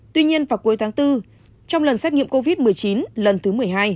tuy nhiên vào cuối tháng bốn trong lần xét nghiệm covid một mươi chín lần thứ một mươi hai